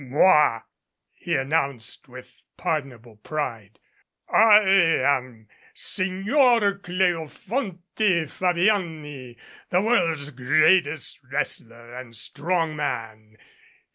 "J/oz/" he announced with pardonable pride. "I am Signer Cleofonte Fabiani, the world's greatest wrestler and strong man.